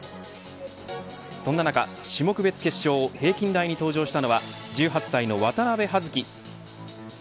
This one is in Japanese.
そんな中、種目別決勝平均台に登場したのは１８歳の渡部葉月。